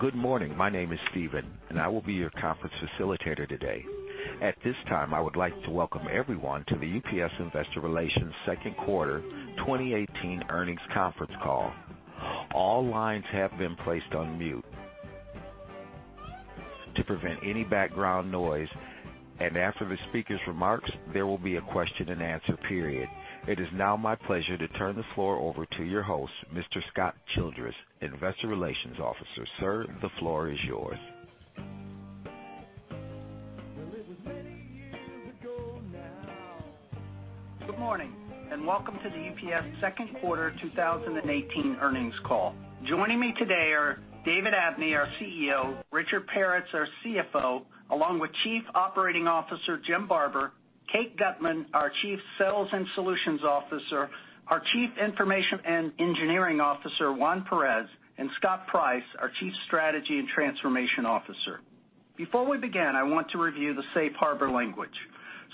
Good morning. My name is Steven, and I will be your conference facilitator today. At this time, I would like to welcome everyone to the UPS Investor Relations second quarter 2018 earnings conference call. All lines have been placed on mute to prevent any background noise. After the speaker's remarks, there will be a question and answer period. It is now my pleasure to turn the floor over to your host, Mr. Scott Childress, Investor Relations Officer. Sir, the floor is yours. Good morning. Welcome to the UPS second quarter 2018 earnings call. Joining me today are David Abney, our CEO, Richard Peretz, our CFO, along with Chief Operating Officer Jim Barber, Kate Gutmann, our Chief Sales and Solutions Officer, our Chief Information and Engineering Officer, Juan Perez, and Scott Price, our Chief Strategy and Transformation Officer. Before we begin, I want to review the safe harbor language.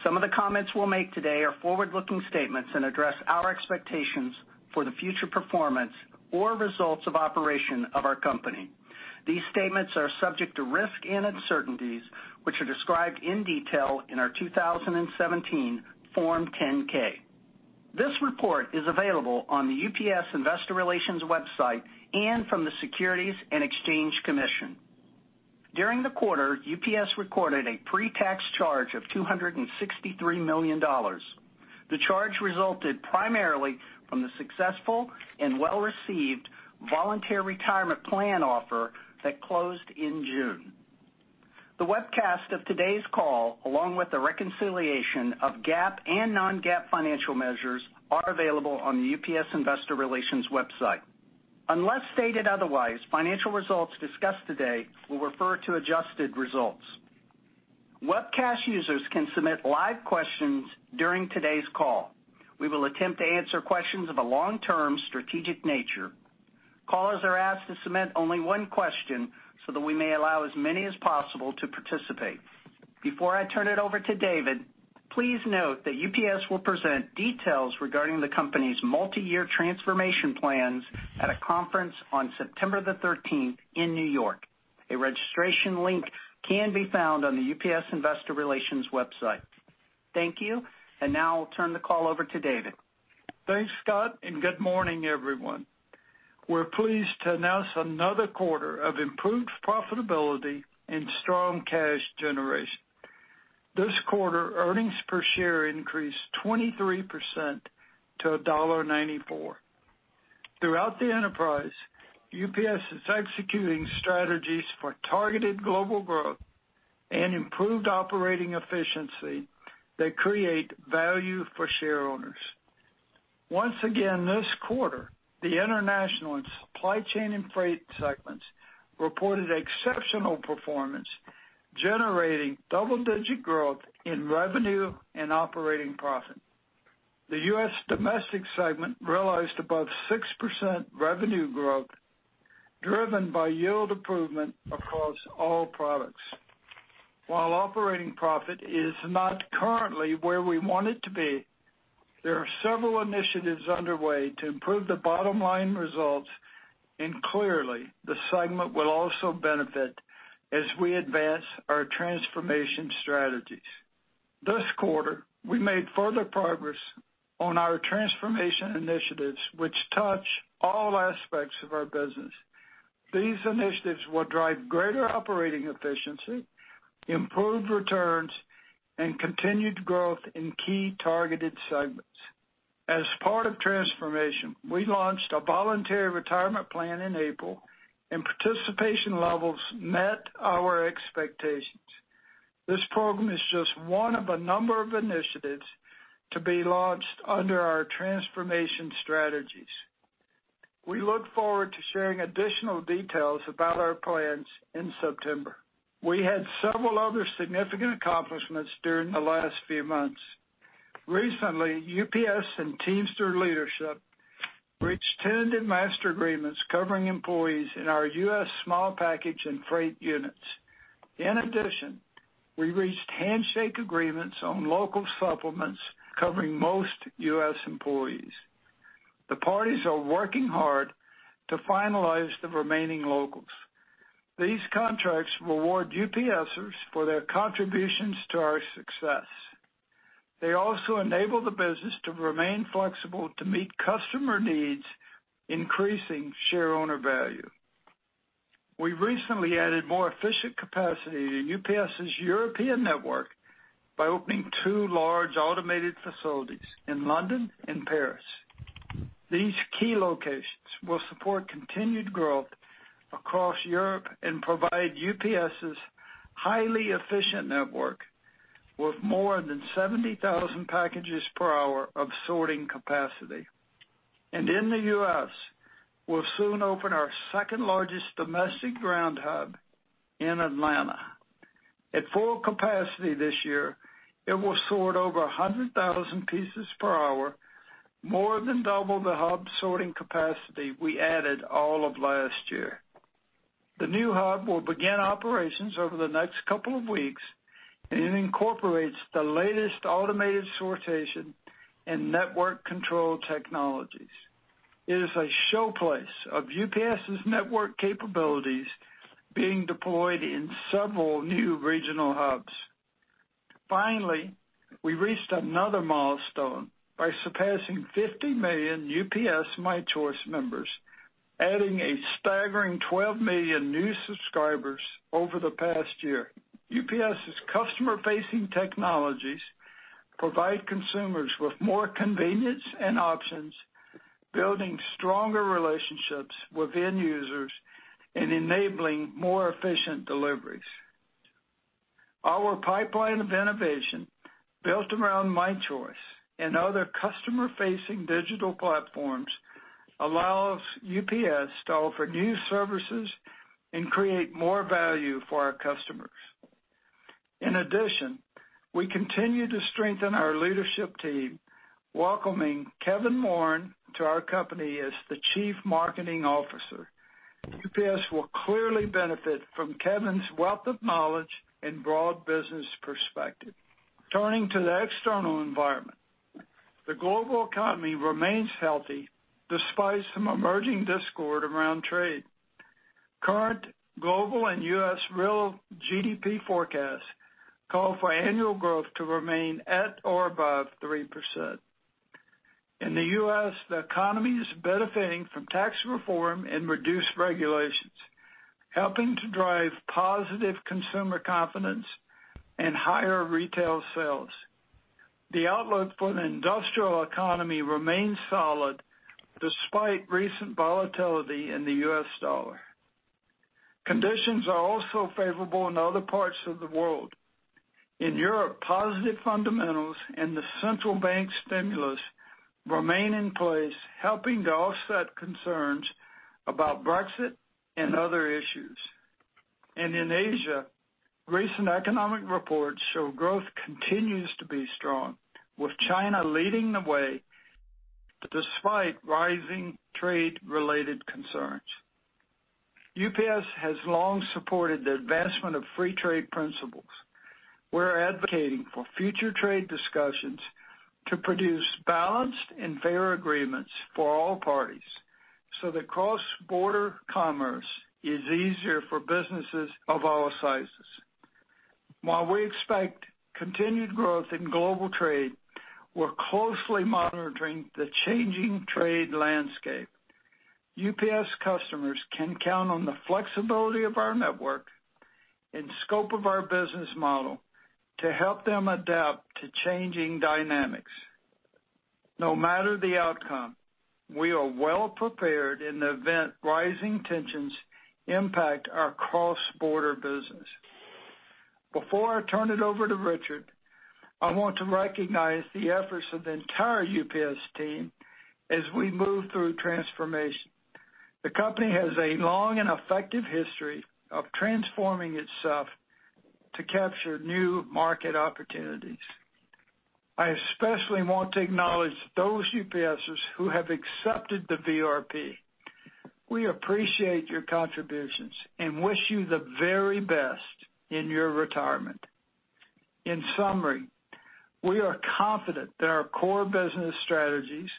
Some of the comments we'll make today are forward-looking statements and address our expectations for the future performance or results of operation of our company. These statements are subject to risk and uncertainties, which are described in detail in our 2017 Form 10-K. This report is available on the UPS Investor Relations website and from the Securities and Exchange Commission. During the quarter, UPS recorded a pre-tax charge of $263 million. The charge resulted primarily from the successful and well-received voluntary retirement plan offer that closed in June. The webcast of today's call, along with the reconciliation of GAAP and non-GAAP financial measures, are available on the UPS Investor Relations website. Unless stated otherwise, financial results discussed today will refer to adjusted results. Webcast users can submit live questions during today's call. We will attempt to answer questions of a long-term, strategic nature. Callers are asked to submit only one question so that we may allow as many as possible to participate. Before I turn it over to David, please note that UPS will present details regarding the company's multi-year transformation plans at a conference on September the 13th in New York. A registration link can be found on the UPS Investor Relations website. Thank you. Now I'll turn the call over to David. Thanks, Scott. Good morning, everyone. We're pleased to announce another quarter of improved profitability and strong cash generation. This quarter, earnings per share increased 23% to $1.94. Throughout the enterprise, UPS is executing strategies for targeted global growth and improved operating efficiency that create value for shareowners. Once again this quarter, the International and Supply Chain and Freight segments reported exceptional performance, generating double-digit growth in revenue and operating profit. The U.S. domestic segment realized above 6% revenue growth driven by yield improvement across all products. While operating profit is not currently where we want it to be, there are several initiatives underway to improve the bottom-line results. Clearly, the segment will also benefit as we advance our transformation strategies. This quarter, we made further progress on our transformation initiatives, which touch all aspects of our business. These initiatives will drive greater operating efficiency, improved returns, and continued growth in key targeted segments. As part of transformation, we launched a voluntary retirement plan in April, and participation levels met our expectations. This program is just one of a number of initiatives to be launched under our transformation strategies. We look forward to sharing additional details about our plans in September. We had several other significant accomplishments during the last few months. Recently, UPS and Teamsters leadership reached tentative master agreements covering employees in our U.S. small package and freight units. In addition, we reached handshake agreements on local supplements covering most U.S. employees. The parties are working hard to finalize the remaining locals. These contracts will reward UPSers for their contributions to our success. They also enable the business to remain flexible to meet customer needs, increasing shareowner value. We recently added more efficient capacity to UPS's European network by opening two large automated facilities in London and Paris. These key locations will support continued growth across Europe and provide UPS's highly efficient network with more than 70,000 packages per hour of sorting capacity. In the U.S., we'll soon open our second largest domestic ground hub in Atlanta. At full capacity this year, it will sort over 100,000 pieces per hour, more than double the hub sorting capacity we added all of last year. The new hub will begin operations over the next couple of weeks. It incorporates the latest automated sortation and network control technologies. It is a showplace of UPS's network capabilities being deployed in several new regional hubs. Finally, we reached another milestone by surpassing 50 million UPS My Choice members, adding a staggering 12 million new subscribers over the past year. UPS's customer-facing technologies provide consumers with more convenience and options, building stronger relationships with end users and enabling more efficient deliveries. Our pipeline of innovation, built around My Choice and other customer-facing digital platforms, allows UPS to offer new services and create more value for our customers. In addition, we continue to strengthen our leadership team, welcoming Kevin Warren to our company as the Chief Marketing Officer. UPS will clearly benefit from Kevin's wealth of knowledge and broad business perspective. Turning to the external environment. The global economy remains healthy despite some emerging discord around trade. Current global and U.S. real GDP forecasts call for annual growth to remain at or above 3%. In the U.S., the economy is benefiting from tax reform and reduced regulations, helping to drive positive consumer confidence and higher retail sales. The outlook for the industrial economy remains solid despite recent volatility in the U.S. dollar. Conditions are also favorable in other parts of the world. In Europe, positive fundamentals and the central bank stimulus remain in place, helping to offset concerns about Brexit and other issues. In Asia, recent economic reports show growth continues to be strong, with China leading the way despite rising trade-related concerns. UPS has long supported the advancement of free trade principles. We're advocating for future trade discussions to produce balanced and fair agreements for all parties so that cross-border commerce is easier for businesses of all sizes. While we expect continued growth in global trade, we're closely monitoring the changing trade landscape. UPS customers can count on the flexibility of our network and scope of our business model to help them adapt to changing dynamics. No matter the outcome, we are well prepared in the event rising tensions impact our cross-border business. Before I turn it over to Richard, I want to recognize the efforts of the entire UPS team as we move through transformation. The company has a long and effective history of transforming itself to capture new market opportunities. I especially want to acknowledge those UPSers who have accepted the VRP. We appreciate your contributions and wish you the very best in your retirement. In summary, we are confident that our core business strategies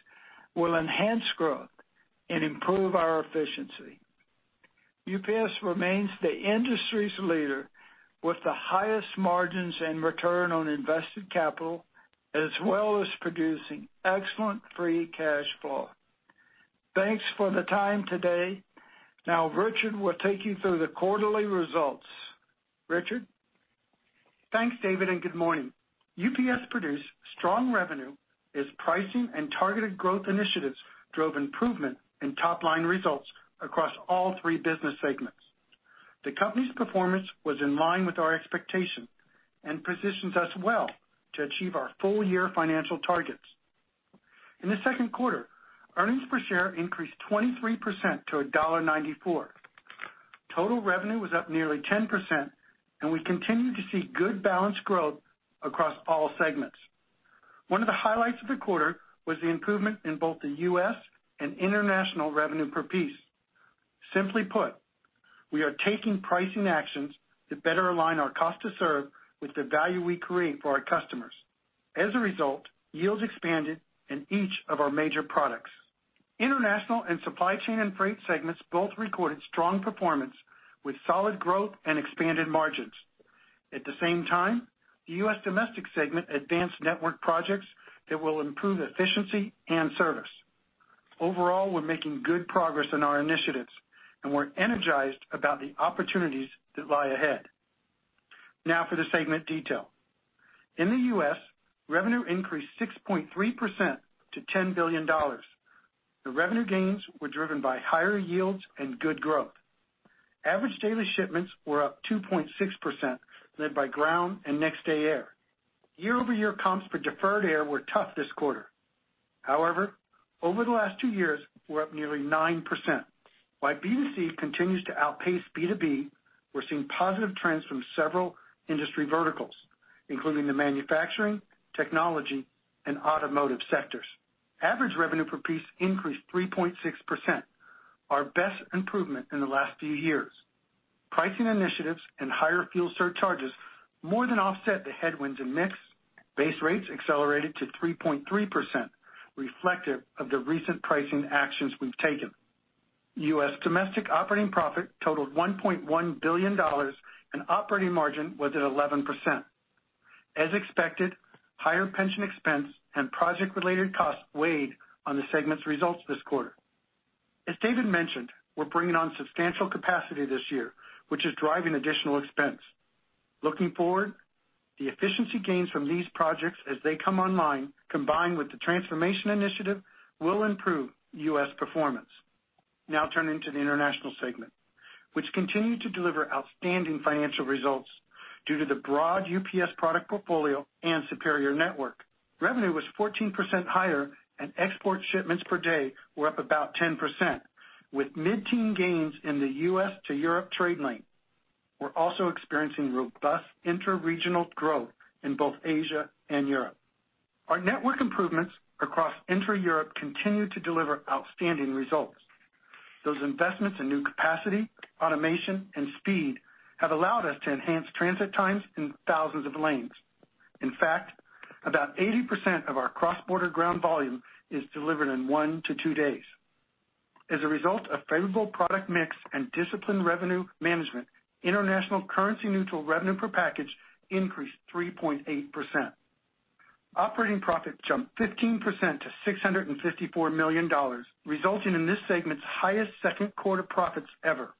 will enhance growth and improve our efficiency. UPS remains the industry's leader with the highest margins and return on invested capital, as well as producing excellent free cash flow. Thanks for the time today. Richard will take you through the quarterly results. Richard? Thanks, David, and good morning. UPS produced strong revenue as pricing and targeted growth initiatives drove improvement in top-line results across all three business segments. The company's performance was in line with our expectations and positions us well to achieve our full-year financial targets. In the second quarter, earnings per share increased 23% to $1.94. Total revenue was up nearly 10%, and we continued to see good balanced growth across all segments. One of the highlights of the quarter was the improvement in both the U.S. and international revenue per piece. Simply put, we are taking pricing actions to better align our cost to serve with the value we create for our customers. As a result, yields expanded in each of our major products. International and supply chain and freight segments both recorded strong performance with solid growth and expanded margins. At the same time, the U.S. domestic segment advanced network projects that will improve efficiency and service. We're making good progress on our initiatives, and we're energized about the opportunities that lie ahead. For the segment detail. In the U.S., revenue increased 6.3% to $10 billion. The revenue gains were driven by higher yields and good growth. Average daily shipments were up 2.6%, led by ground and next-day air. Year-over-year comps for deferred air were tough this quarter. Over the last two years, we're up nearly 9%. While B2C continues to outpace B2B, we're seeing positive trends from several industry verticals, including the manufacturing, technology, and automotive sectors. Average revenue per piece increased 3.6%. Our best improvement in the last few years. Pricing initiatives and higher fuel surcharges more than offset the headwinds in mix. Base rates accelerated to 3.3%, reflective of the recent pricing actions we've taken. U.S. domestic operating profit totaled $1.1 billion and operating margin was at 11%. As expected, higher pension expense and project-related costs weighed on the segment's results this quarter. As David mentioned, we're bringing on substantial capacity this year, which is driving additional expense. Looking forward, the efficiency gains from these projects as they come online, combined with the transformation initiative, will improve U.S. performance. Turning to the international segment, which continued to deliver outstanding financial results due to the broad UPS product portfolio and superior network. Revenue was 14% higher, and export shipments per day were up about 10%, with mid-teen gains in the U.S. to Europe trade lane. We're also experiencing robust intra-regional growth in both Asia and Europe. Our network improvements across intra-Europe continued to deliver outstanding results. Those investments in new capacity, automation, and speed have allowed us to enhance transit times in thousands of lanes. In fact, about 80% of our cross-border ground volume is delivered in one to two days. As a result of favorable product mix and disciplined revenue management, international currency neutral revenue per package increased 3.8%. Operating profit jumped 15% to $654 million, resulting in this segment's highest second quarter profits ever.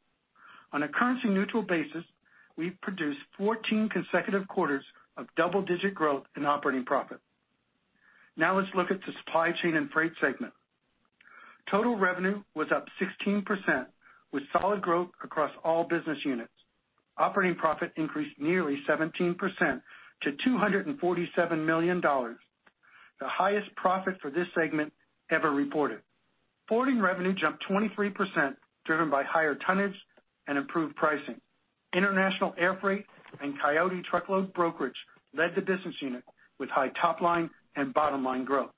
On a currency neutral basis, we've produced 14 consecutive quarters of double-digit growth in operating profit. Let's look at the supply chain and freight segment. Total revenue was up 16%, with solid growth across all business units. Operating profit increased nearly 17% to $247 million, the highest profit for this segment ever reported. Forwarding revenue jumped 23%, driven by higher tonnage and improved pricing. International air freight and Coyote truckload brokerage led the business unit with high top-line and bottom-line growth.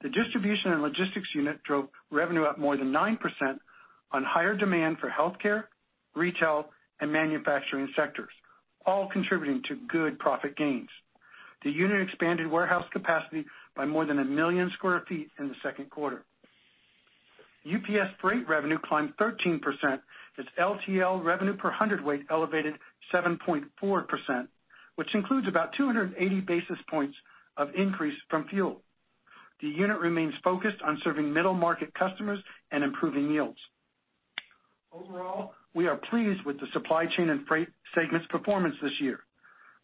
The distribution and logistics unit drove revenue up more than 9% on higher demand for healthcare, retail, and manufacturing sectors, all contributing to good profit gains. The unit expanded warehouse capacity by more than 1 million sq ft in the second quarter. UPS Freight revenue climbed 13% as LTL revenue per hundredweight elevated 7.4%, which includes about 280 basis points of increase from fuel. The unit remains focused on serving middle-market customers and improving yields. Overall, we are pleased with the supply chain and freight segment's performance this year.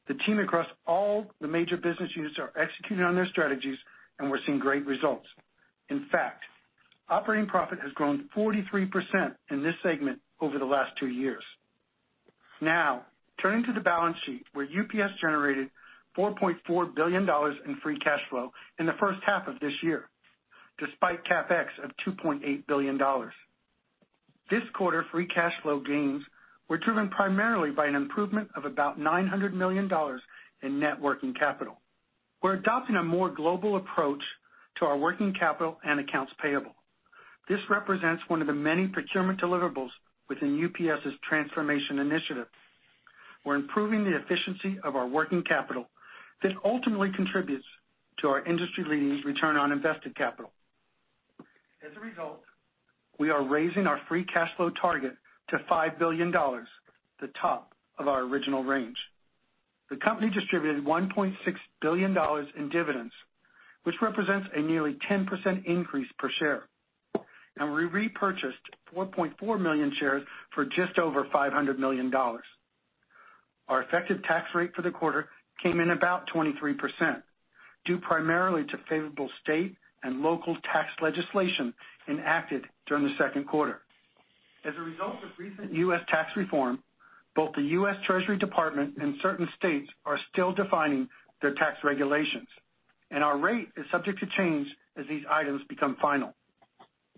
The team across all the major business units are executing on their strategies and we're seeing great results. In fact, operating profit has grown 43% in this segment over the last two years. Turning to the balance sheet where UPS generated $4.4 billion in free cash flow in the first half of this year, despite CapEx of $2.8 billion. This quarter, free cash flow gains were driven primarily by an improvement of about $900 million in net working capital. We're adopting a more global approach to our working capital and accounts payable. This represents one of the many procurement deliverables within UPS's Transformation Initiative. We're improving the efficiency of our working capital that ultimately contributes to our industry-leading return on invested capital. As a result, we are raising our free cash flow target to $5 billion, the top of our original range. The company distributed $1.6 billion in dividends, which represents a nearly 10% increase per share. We repurchased 4.4 million shares for just over $500 million. Our effective tax rate for the quarter came in about 23%, due primarily to favorable state and local tax legislation enacted during the second quarter. As a result of recent U.S. tax reform, both the U.S. Department of the Treasury and certain states are still defining their tax regulations, and our rate is subject to change as these items become final.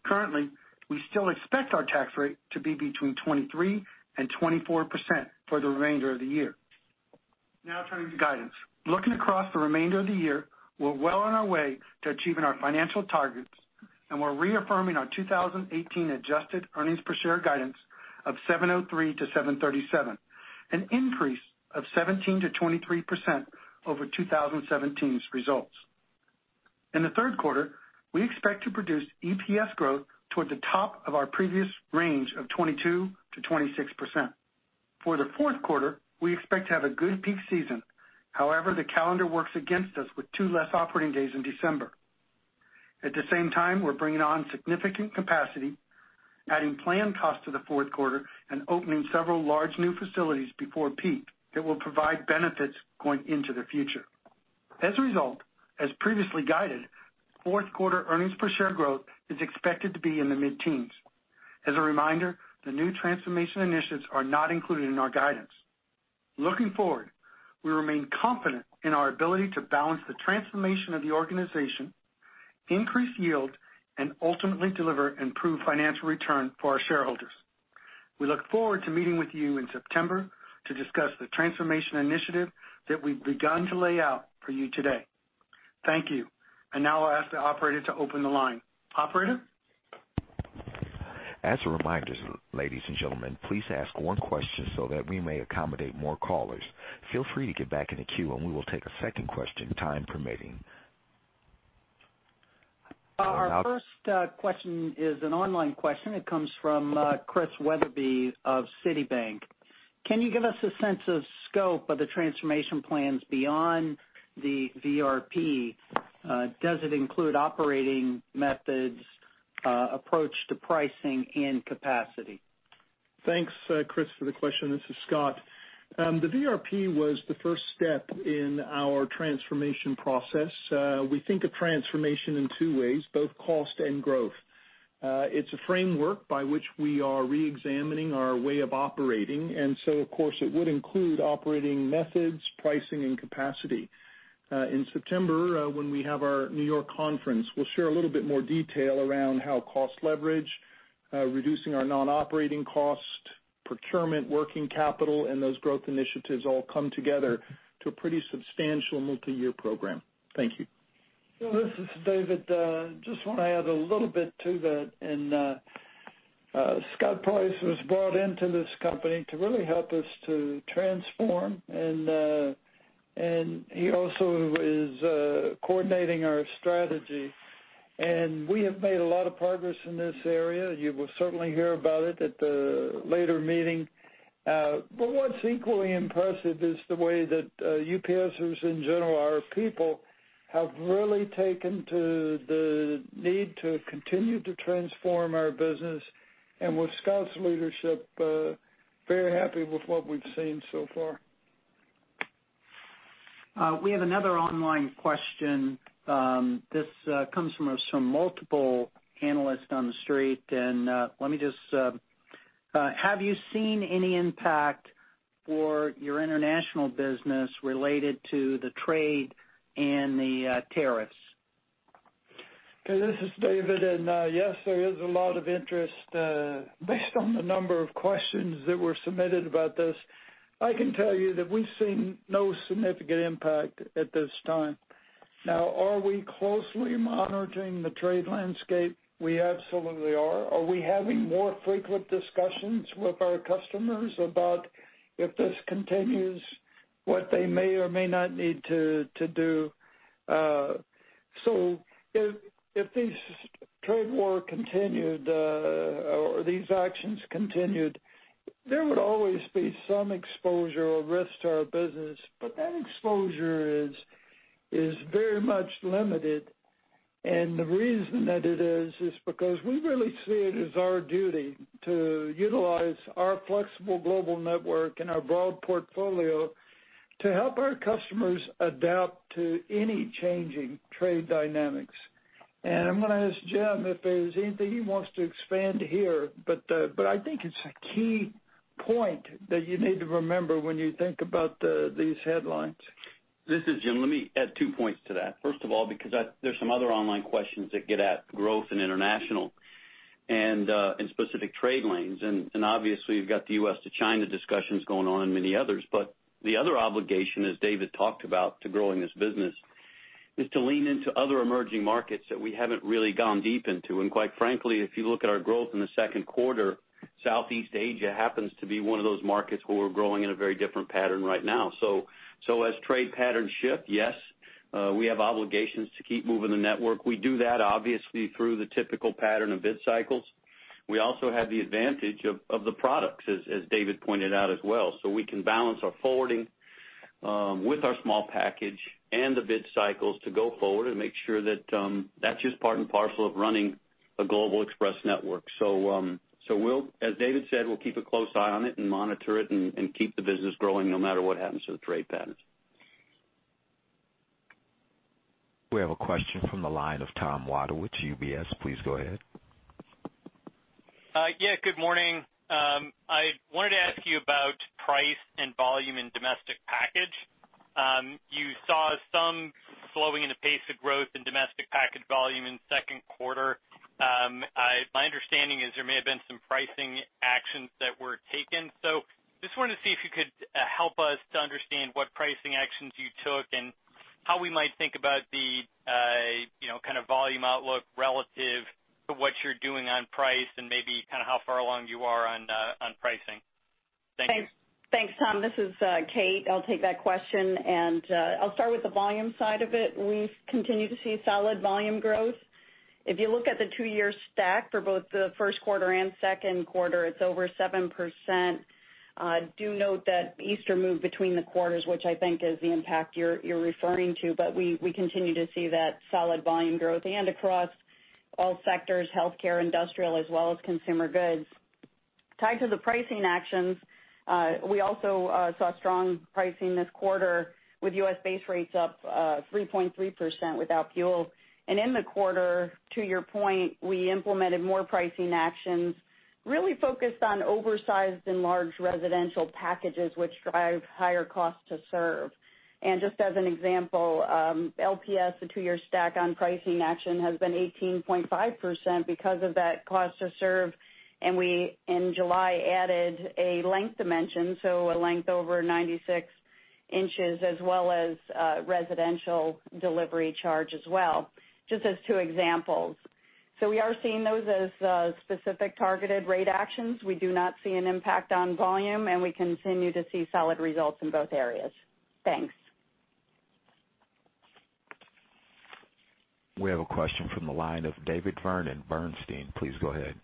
Currently, we still expect our tax rate to be between 23% and 24% for the remainder of the year. Turning to guidance. Looking across the remainder of the year, we're well on our way to achieving our financial targets, and we're reaffirming our 2018 adjusted earnings per share guidance of $7.03-$7.37, an increase of 17%-23% over 2017's results. In the third quarter, we expect to produce EPS growth toward the top of our previous range of 22%-26%. For the fourth quarter, we expect to have a good peak season. However, the calendar works against us with two less operating days in December. At the same time, we're bringing on significant capacity, adding planned costs to the fourth quarter, and opening several large new facilities before peak that will provide benefits going into the future. As a result, as previously guided, fourth quarter earnings per share growth is expected to be in the mid-teens. As a reminder, the new transformation initiatives are not included in our guidance. Looking forward, we remain confident in our ability to balance the transformation of the organization, increase yield, and ultimately deliver improved financial return for our shareholders. We look forward to meeting with you in September to discuss the transformation initiative that we've begun to lay out for you today. Thank you. Now I'll ask the operator to open the line. Operator? As a reminder, ladies and gentlemen, please ask one question so that we may accommodate more callers. Feel free to get back in the queue, we will take a second question, time permitting. Our first question is an online question. It comes from Chris Wetherbee of Citi. Can you give us a sense of scope of the transformation plans beyond the VRP? Does it include operating methods, approach to pricing, and capacity? Thanks, Chris, for the question. This is Scott. The VRP was the first step in our transformation process. We think of transformation in two ways, both cost and growth. It's a framework by which we are reexamining our way of operating. Of course, it would include operating methods, pricing, and capacity. In September, when we have our New York conference, we'll share a little bit more detail around how cost leverage, reducing our non-operating cost, procurement, working capital, and those growth initiatives all come together to a pretty substantial multi-year program. Thank you. This is David. Just want to add a little bit to that. Scott Price was brought into this company to really help us to transform, he also is coordinating our strategy. We have made a lot of progress in this area. You will certainly hear about it at the later meeting. What's equally impressive is the way that UPSers in general, our people, have really taken to the need to continue to transform our business. With Scott's leadership, very happy with what we've seen so far. We have another online question. This comes from multiple analysts on the street. Have you seen any impact for your international business related to the trade and the tariffs? Okay, this is David. Yes, there is a lot of interest based on the number of questions that were submitted about this. I can tell you that we've seen no significant impact at this time. Now, are we closely monitoring the trade landscape? We absolutely are. Are we having more frequent discussions with our customers about if this continues, what they may or may not need to do? If this trade war continued or these actions continued, there would always be some exposure or risk to our business. That exposure is very much limited. The reason that it is because we really see it as our duty to utilize our flexible global network and our broad portfolio to help our customers adapt to any changing trade dynamics. I'm going to ask Jim if there's anything he wants to expand here, I think it's a key point that you need to remember when you think about these headlines. This is Jim. Let me add two points to that. First of all, because there's some other online questions that get at growth in international and specific trade lanes. Obviously, we've got the U.S. to China discussions going on and many others. The other obligation, as David talked about to growing this business, is to lean into other emerging markets that we haven't really gone deep into. Quite frankly, if you look at our growth in the second quarter, Southeast Asia happens to be one of those markets where we're growing in a very different pattern right now. As trade patterns shift, yes, we have obligations to keep moving the network. We do that obviously through the typical pattern of bid cycles. We also have the advantage of the products, as David pointed out as well. We can balance our forwarding with our small package and the bid cycles to go forward and make sure that that's just part and parcel of running a global express network. As David said, we'll keep a close eye on it and monitor it and keep the business growing no matter what happens to the trade patterns. We have a question from the line of Thomas Wadewitz, UBS. Please go ahead. Yeah, good morning. I wanted to ask you about price and volume in domestic package. You saw some slowing in the pace of growth in domestic package volume in second quarter. My understanding is there may have been some pricing actions that were taken. Just wanted to see if you could help us to understand what pricing actions you took and how we might think about the volume outlook relative to what you're doing on price and maybe how far along you are on pricing. Thank you. Thanks, Tom. This is Kate. I'll take that question. I'll start with the volume side of it. We continue to see solid volume growth. If you look at the two-year stack for both the first quarter and second quarter, it's over 7%. Do note that Easter moved between the quarters, which I think is the impact you're referring to. We continue to see that solid volume growth and across all sectors, healthcare, industrial, as well as consumer goods. Tied to the pricing actions, we also saw strong pricing this quarter with U.S. base rates up 3.3% without fuel. In the quarter, to your point, we implemented more pricing actions really focused on oversized and large residential packages, which drive higher cost to serve. Just as an example, LPS, the two-year stack on pricing action has been 18.5% because of that cost to serve. We, in July, added a length dimension, so a length over 96 inches, as well as a residential delivery charge as well, just as two examples. We are seeing those as specific targeted rate actions. We do not see an impact on volume. We continue to see solid results in both areas. Thanks. We have a question from the line of David Vernon, Bernstein. Please go ahead.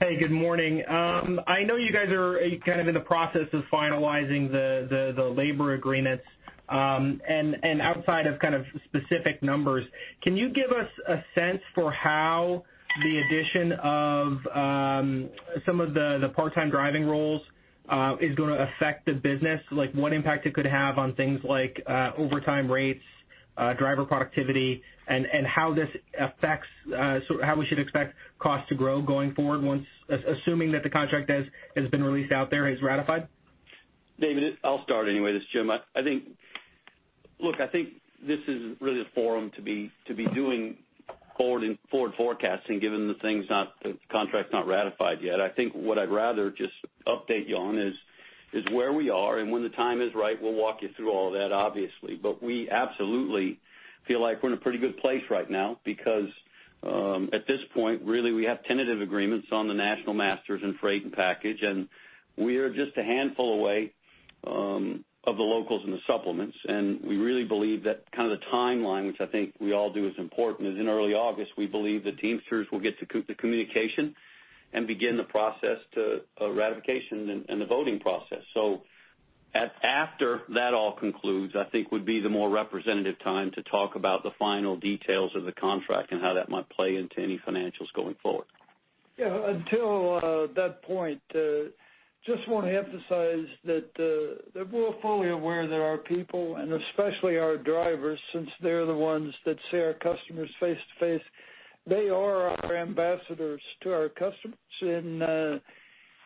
Hey, good morning. I know you guys are kind of in the process of finalizing the labor agreements. Outside of kind of specific numbers, can you give us a sense for how the addition of some of the part-time driving roles is going to affect the business? What impact it could have on things like overtime rates, driver productivity, and how we should expect costs to grow going forward once, assuming that the contract has been released out there, is ratified? David, I'll start anyway. This is Jim. Look, I think this is really a forum to be doing forward forecasting, given the contract's not ratified yet. I think what I'd rather just update you on is where we are, and when the time is right, we'll walk you through all of that, obviously. We absolutely feel like we're in a pretty good place right now because, at this point, really, we have tentative agreements on the national masters and freight and package, and we are just a handful away of the locals and the supplements. We really believe that the timeline, which I think we all do, is important, is in early August, we believe the Teamsters will get to communication and begin the process to ratification and the voting process. After that all concludes, I think would be the more representative time to talk about the final details of the contract and how that might play into any financials going forward. Until that point, just want to emphasize that we're fully aware that our people, and especially our drivers, since they're the ones that see our customers face to face, they are our ambassadors to our customers.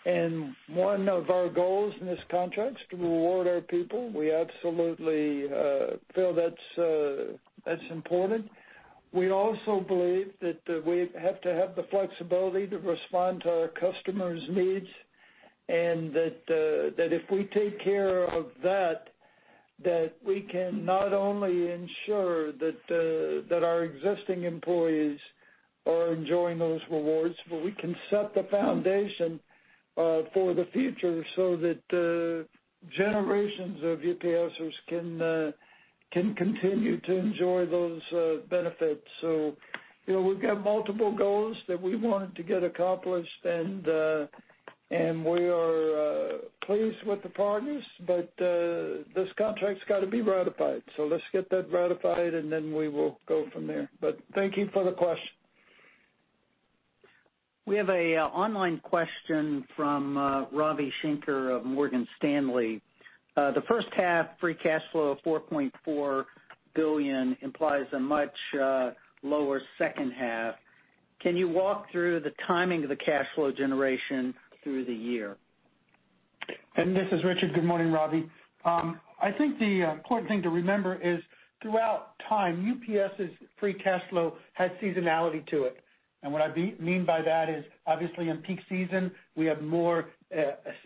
One of our goals in this contract is to reward our people. We absolutely feel that's important. We also believe that we have to have the flexibility to respond to our customers' needs, and that if we take care of that we can not only ensure that our existing employees are enjoying those rewards, but we can set the foundation for the future so that generations of UPSers can continue to enjoy those benefits. We've got multiple goals that we wanted to get accomplished, and we are pleased with the partners, but this contract's got to be ratified. Let's get that ratified, then we will go from there. Thank you for the question. We have an online question from Ravi Shanker of Morgan Stanley. The first half free cash flow of $4.4 billion implies a much lower second half. Can you walk through the timing of the cash flow generation through the year? This is Richard. Good morning, Ravi. I think the important thing to remember is throughout time, UPS's free cash flow has seasonality to it. What I mean by that is obviously in peak season, we have more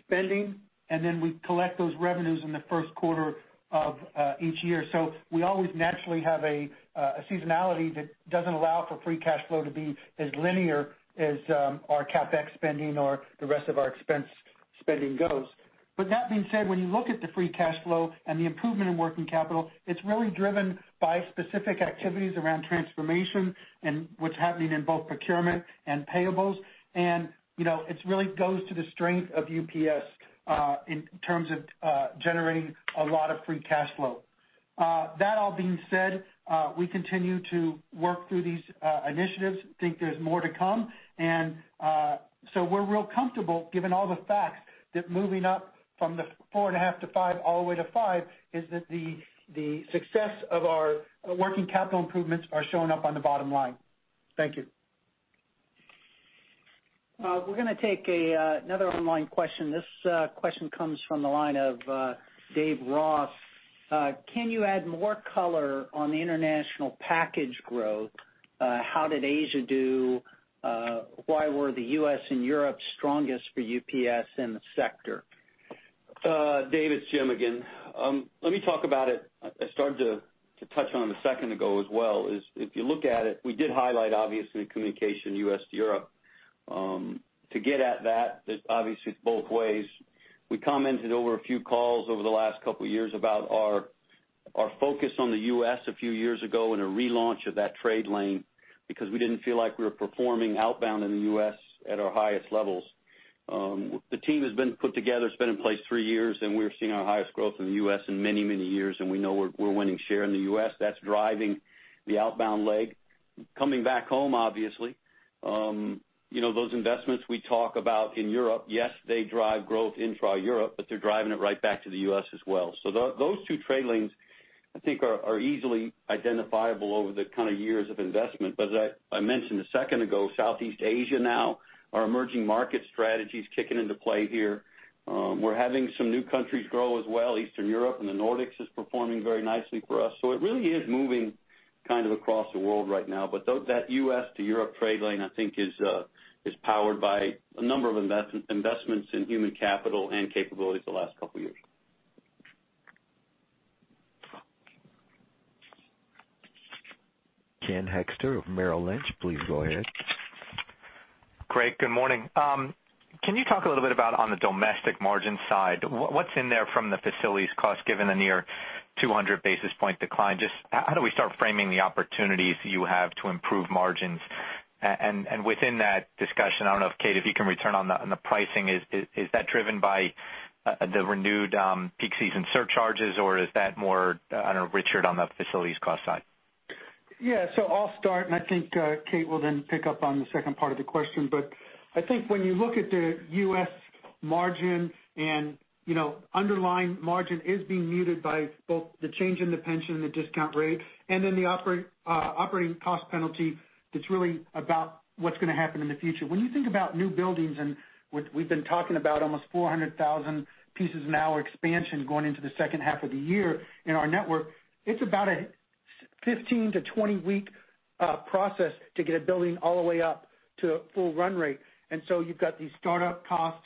spending, then we collect those revenues in the first quarter of each year. We always naturally have a seasonality that doesn't allow for free cash flow to be as linear as our CapEx spending or the rest of our expense spending goes. That being said, when you look at the free cash flow and the improvement in working capital, it's really driven by specific activities around transformation and what's happening in both procurement and payables. It really goes to the strength of UPS in terms of generating a lot of free cash flow. That all being said, we continue to work through these initiatives, think there's more to come. We're real comfortable, given all the facts, that moving up from the $four and a half to $five all the way to $five is that the success of our working capital improvements are showing up on the bottom line. Thank you. We're going to take another online question. This question comes from the line of Dave Ross. Can you add more color on the international package growth? How did Asia do? Why were the U.S. and Europe strongest for UPS in the sector? Dave, it's Jim again. Let me talk about it. I started to touch on it a second ago as well. If you look at it, we did highlight, obviously, communication U.S. to Europe. To get at that, obviously it's both ways. We commented over a few calls over the last couple of years about our focus on the U.S. a few years ago and a relaunch of that trade lane because we didn't feel like we were performing outbound in the U.S. at our highest levels. The team has been put together, it's been in place three years, and we're seeing our highest growth in the U.S. in many years, and we know we're winning share in the U.S. That's driving the outbound leg. Coming back home, obviously, those investments we talk about in Europe, yes, they drive growth intra Europe, they're driving it right back to the U.S. as well. Those two trade lanes, I think, are easily identifiable over the kind of years of investment. As I mentioned a second ago, Southeast Asia now, our emerging market strategy's kicking into play here. We're having some new countries grow as well. Eastern Europe and the Nordics is performing very nicely for us. It really is moving kind of across the world right now. That U.S. to Europe trade lane, I think is powered by a number of investments in human capital and capabilities the last couple of years. Ken Hoexter of Merrill Lynch, please go ahead. Great, good morning. Can you talk a little bit about on the domestic margin side, what's in there from the facilities cost, given the near 200 basis point decline? Just how do we start framing the opportunities you have to improve margins? Within that discussion, I don't know if Kate, if you can return on the pricing. Is that driven by the renewed peak season surcharges, or is that more, I don't know, Richard, on the facilities cost side? Yeah. I'll start, I think Kate will then pick up on the second part of the question. I think when you look at the U.S. margin and underlying margin is being muted by both the change in the pension, the discount rate, then the operating cost penalty, that's really about what's going to happen in the future. When you think about new buildings and we've been talking about almost 400,000 pieces an hour expansion going into the second half of the year in our network, it's about a 15-to-20-week process to get a building all the way up to full run rate. You've got these startup costs,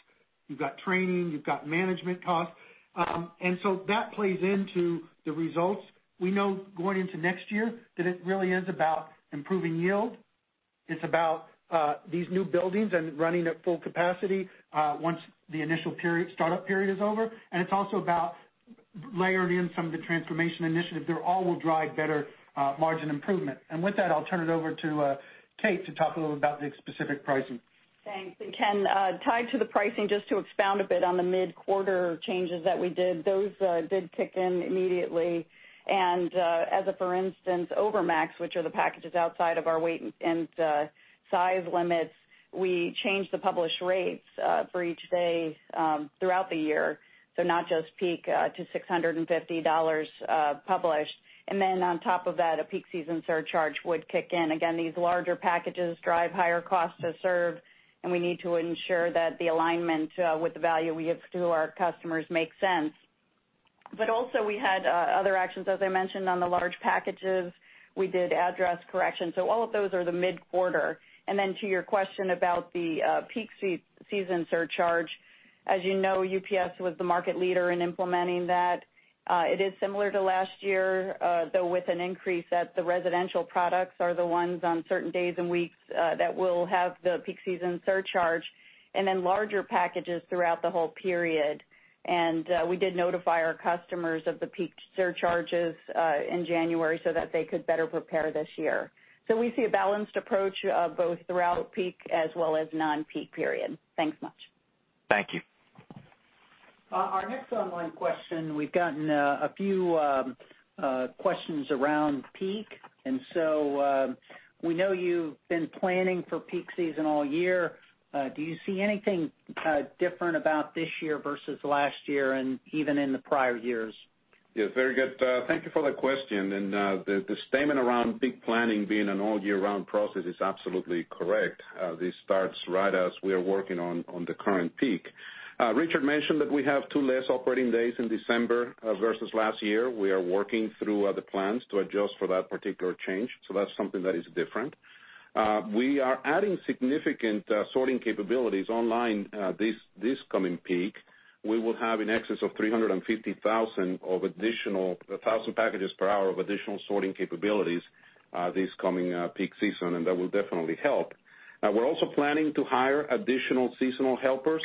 you've got training, you've got management costs. That plays into the results. We know going into next year that it really is about improving yield. It's about these new buildings and running at full capacity once the initial startup period is over. It's also about layering in some of the transformation initiatives. They all will drive better margin improvement. With that, I'll turn it over to Kate to talk a little about the specific pricing. Thanks. Ken, tied to the pricing, just to expound a bit on the mid-quarter changes that we did, those did kick in immediately. As a for instance, Overmax, which are the packages outside of our weight and size limits, we changed the published rates for each day throughout the year, so not just peak, to $650 published. On top of that, a peak season surcharge would kick in. Again, these larger packages drive higher costs to serve, we need to ensure that the alignment with the value we give to our customers makes sense. Also we had other actions, as I mentioned on the large packages. We did address corrections. All of those are the mid-quarter. To your question about the peak season surcharge, as you know, UPS was the market leader in implementing that. It is similar to last year, though, with an increase that the residential products are the ones on certain days and weeks that will have the peak season surcharge, then larger packages throughout the whole period. We did notify our customers of the peak surcharges in January so that they could better prepare this year. We see a balanced approach both throughout peak as well as non-peak period. Thanks much. Thank you. Our next online question. We've gotten a few questions around peak. We know you've been planning for peak season all year. Do you see anything different about this year versus last year and even in the prior years? Yes, very good. Thank you for that question. The statement around peak planning being an all-year-round process is absolutely correct. This starts right as we are working on the current peak. Richard mentioned that we have two less operating days in December versus last year. We are working through the plans to adjust for that particular change, that's something that is different. We are adding significant sorting capabilities online this coming peak. We will have in excess of 350,000 of additional 1,000 packages per hour of additional sorting capabilities this coming peak season, and that will definitely help. We're also planning to hire additional seasonal helpers.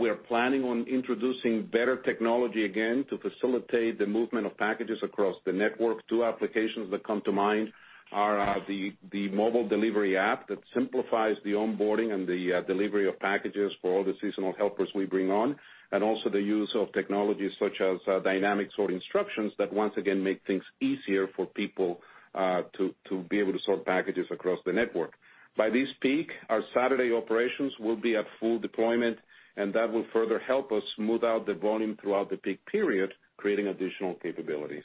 We are planning on introducing better technology again to facilitate the movement of packages across the network. Two applications that come to mind are the mobile delivery app that simplifies the onboarding and the delivery of packages for all the seasonal helpers we bring on, also the use of technologies such as dynamic sort instructions that once again make things easier for people to be able to sort packages across the network. By this peak, our Saturday operations will be at full deployment, that will further help us smooth out the volume throughout the peak period, creating additional capabilities.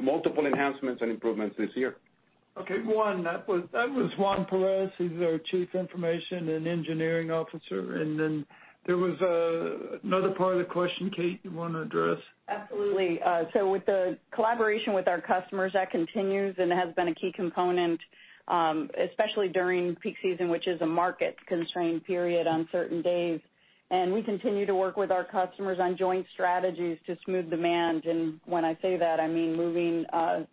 Multiple enhancements and improvements this year. Okay. Juan, that was Juan Perez. He is our Chief Information and Engineering Officer. There was another part of the question, Kate, you want to address? Absolutely. With the collaboration with our customers, that continues and has been a key component, especially during peak season, which is a market-constrained period on certain days. We continue to work with our customers on joint strategies to smooth demand. When I say that, I mean moving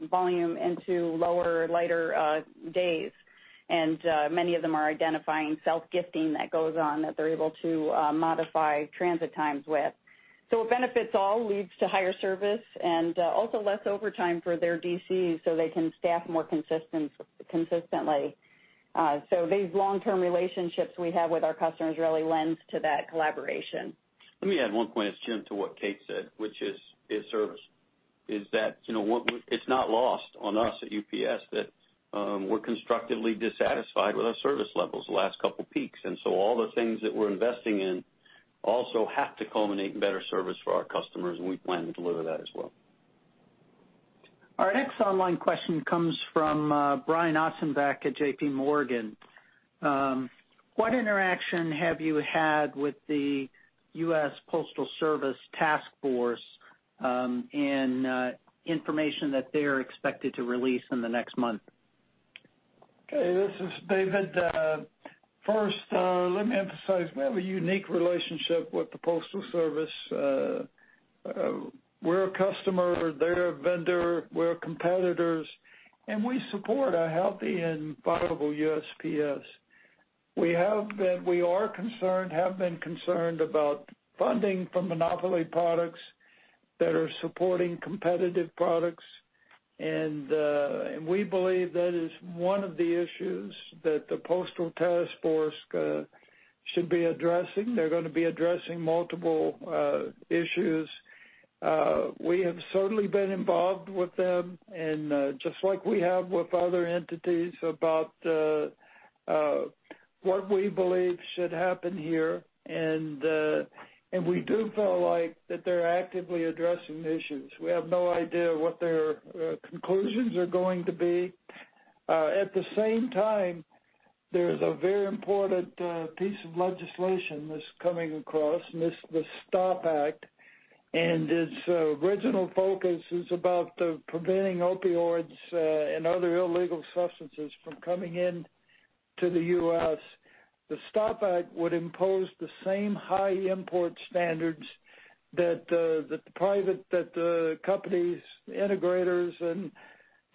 volume into lower, lighter days. Many of them are identifying self-gifting that goes on that they are able to modify transit times with. It benefits all, leads to higher service, and also less overtime for their DCs so they can staff more consistently. These long-term relationships we have with our customers really lends to that collaboration. Let me add one point, Jim, to what Kate said, which is service. Is that it is not lost on us at UPS that we are constructively dissatisfied with our service levels the last couple of peaks. All the things that we are investing in also have to culminate in better service for our customers, and we plan to deliver that as well. Our next online question comes from Brian Ossenbeck at J.P. Morgan. What interaction have you had with the U.S. Postal Service task force in information that they are expected to release in the next month? Okay, this is David. First, let me emphasize we have a unique relationship with the United States Postal Service. We're a customer, they're a vendor, we're competitors, and we support a healthy and viable USPS. We are concerned, have been concerned about funding for monopoly products that are supporting competitive products. We believe that is one of the issues that the postal task force should be addressing. They're going to be addressing multiple issues. We have certainly been involved with them, and just like we have with other entities about what we believe should happen here. We do feel like that they're actively addressing the issues. We have no idea what their conclusions are going to be. At the same time, there's a very important piece of legislation that's coming across, and it's the STOP Act, and its original focus is about preventing opioids and other illegal substances from coming into the U.S. The STOP Act would impose the same high import standards that the companies, integrators,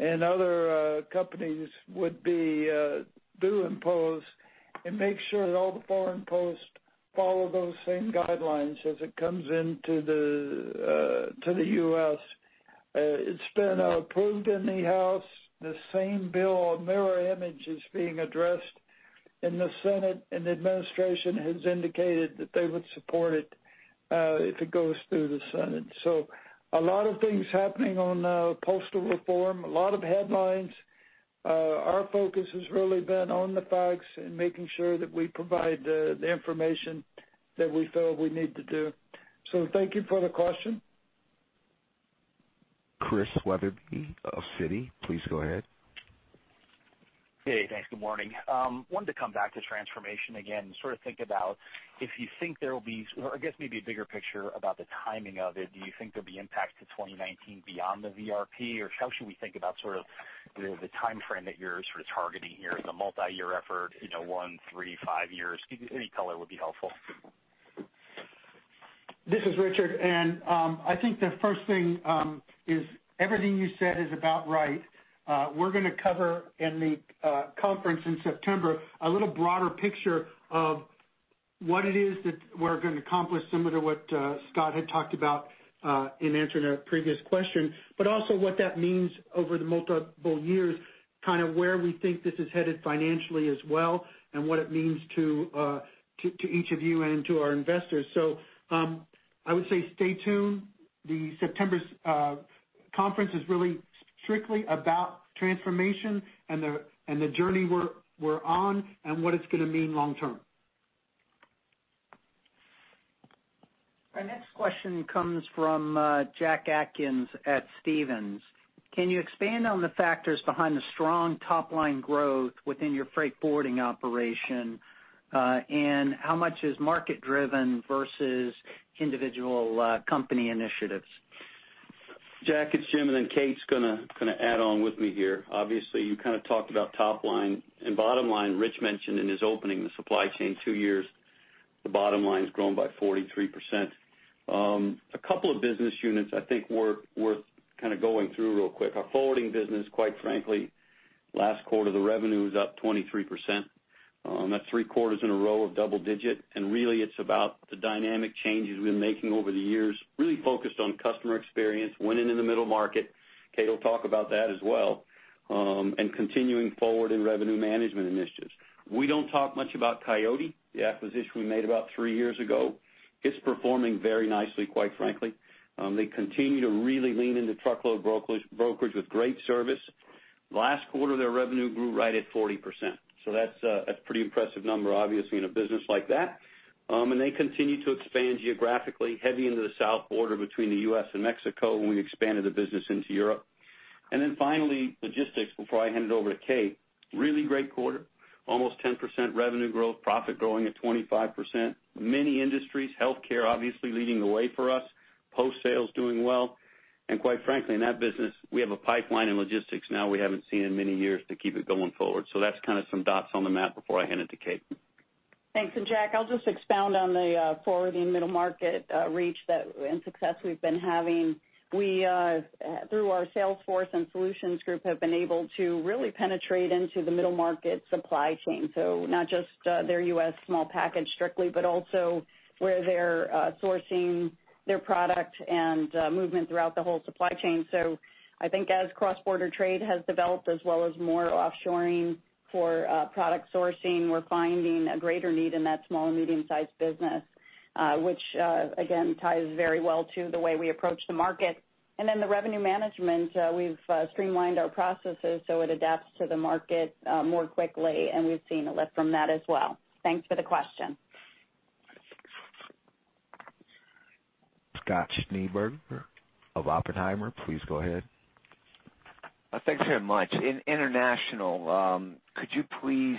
and other companies do impose and make sure that all the foreign posts follow those same guidelines as it comes into the U.S. It's been approved in the House. The same bill, a mirror image, is being addressed in the Senate, and the administration has indicated that they would support it if it goes through the Senate. A lot of things happening on postal reform, a lot of headlines. Our focus has really been on the facts and making sure that we provide the information that we feel we need to do. Thank you for the question. Chris Wetherbee of Citi, please go ahead. Hey, thanks. Good morning. Wanted to come back to transformation again, sort of think about if you think there will be, or I guess maybe a bigger picture about the timing of it. Do you think there'll be impact to 2019 beyond the VRP? Or how should we think about sort of the timeframe that you're sort of targeting here as a multi-year effort, one, three, five years? Any color would be helpful. This is Richard. I think the first thing is everything you said is about right. We're going to cover in the conference in September, a little broader picture of what it is that we're going to accomplish, similar to what Scott had talked about in answering a previous question, but also what that means over the multiple years, kind of where we think this is headed financially as well, and what it means to each of you and to our investors. I would say stay tuned. The September conference is really strictly about transformation and the journey we're on and what it's going to mean long term. Our next question comes from Jack Atkins at Stephens. Can you expand on the factors behind the strong top-line growth within your freight forwarding operation? How much is market-driven versus individual company initiatives? Jack, it's Jim. Kate's going to add on with me here. Obviously, you talked about top line and bottom line. Rich mentioned in his opening the supply chain 2 years, the bottom line's grown by 43%. A couple of business units I think were worth kind of going through real quick. Our forwarding business, quite frankly, last quarter, the revenue was up 23%. That's 3 quarters in a row of double digit. Really it's about the dynamic changes we've been making over the years, really focused on customer experience, winning in the middle market. Kate will talk about that as well. Continuing forward in revenue management initiatives. We don't talk much about Coyote, the acquisition we made about 3 years ago. It's performing very nicely, quite frankly. They continue to really lean into truckload brokerage with great service. Last quarter, their revenue grew right at 40%, that's a pretty impressive number, obviously, in a business like that. They continue to expand geographically, heavy into the south border between the U.S. and Mexico, we expanded the business into Europe. Finally, logistics, before I hand it over to Kate. Really great quarter. Almost 10% revenue growth, profit growing at 25%. Many industries, healthcare obviously leading the way for us, post sales doing well. Quite frankly, in that business, we have a pipeline in logistics now we haven't seen in many years to keep it going forward. That's kind of some dots on the map before I hand it to Kate. Thanks. Jack, I'll just expound on the forwarding middle market reach and success we've been having. We, through our sales force and solutions group, have been able to really penetrate into the middle market supply chain. Not just their U.S. small package strictly, but also where they're sourcing their product and movement throughout the whole supply chain. I think as cross-border trade has developed, as well as more offshoring for product sourcing, we're finding a greater need in that small and medium-sized business, which again, ties very well to the way we approach the market. Then the revenue management, we've streamlined our processes so it adapts to the market more quickly, and we've seen a lift from that as well. Thanks for the question. Scott Schneeberger of Oppenheimer, please go ahead. Thanks very much. In international, could you please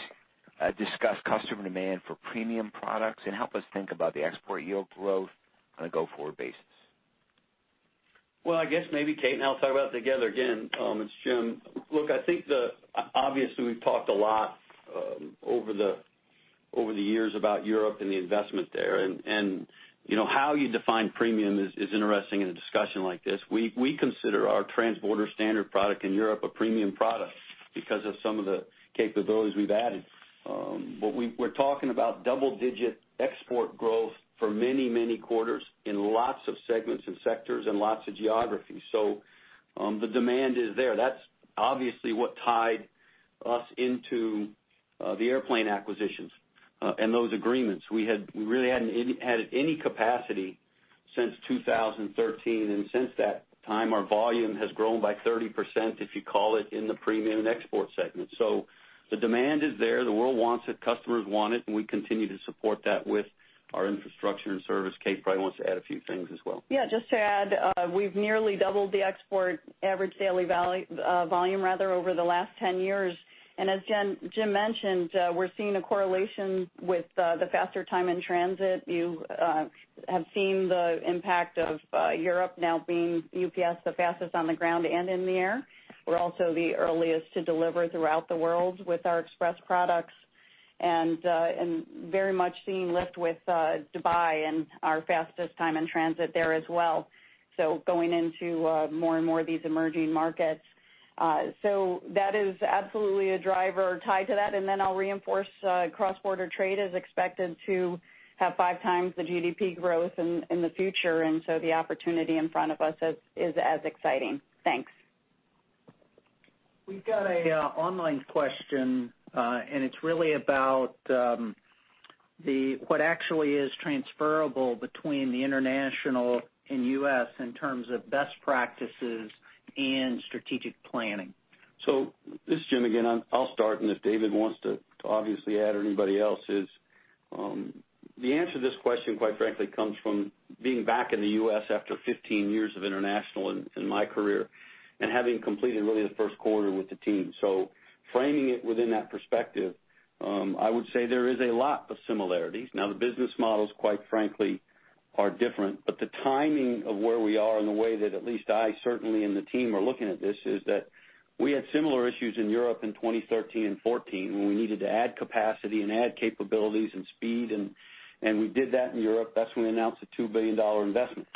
discuss customer demand for premium products and help us think about the export yield growth on a go-forward basis? Well, I guess maybe Kate and I will talk about it together again. It's Jim. Look, I think obviously we've talked a lot over the years about Europe and the investment there. How you define premium is interesting in a discussion like this. We consider our transborder standard product in Europe a premium product because of some of the capabilities we've added. We're talking about double-digit export growth for many, many quarters in lots of segments and sectors and lots of geographies. The demand is there. That's obviously what tied us into the airplane acquisitions and those agreements. We really hadn't had any capacity since 2013, and since that time, our volume has grown by 30%, if you call it, in the premium and export segment. The demand is there. The world wants it, customers want it, we continue to support that with our infrastructure and service. Kate probably wants to add a few things as well. Yeah, just to add, we've nearly doubled the export average daily volume over the last 10 years. As Jim mentioned, we're seeing a correlation with the faster time in transit. You have seen the impact of Europe now being UPS, the fastest on the ground and in the air. We're also the earliest to deliver throughout the world with our express products and very much seeing lift with Dubai and our fastest time in transit there as well. Going into more and more of these emerging markets. That is absolutely a driver tied to that. I'll reinforce cross-border trade is expected to have 5x the GDP growth in the future, the opportunity in front of us is as exciting. Thanks. We've got an online question, it's really about what actually is transferable between the international and U.S. in terms of best practices and strategic planning. This is Jim again. I'll start, if David wants to obviously add or anybody else is. The answer to this question, quite frankly, comes from being back in the U.S. after 15 years of international in my career having completed really the first quarter with the team. Framing it within that perspective, I would say there is a lot of similarities. Now, the business models, quite frankly, are different. The timing of where we are and the way that at least I certainly and the team are looking at this is that we had similar issues in Europe in 2013 and 2014 when we needed to add capacity and add capabilities and speed, we did that in Europe. That's when we announced a $2 billion investment.